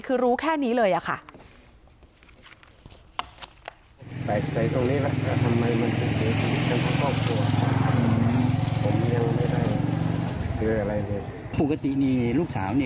คือรู้แค่นี้เลยอะค่ะ